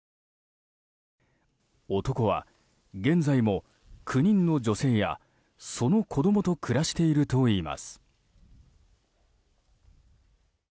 男は現在も９人の女性やその子供と暮らしているといいます。